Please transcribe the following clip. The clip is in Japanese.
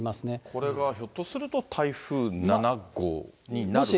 これがひょっとすると、台風７号になるかも？